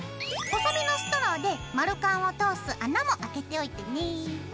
細めのストローで丸カンを通す穴もあけておいてね。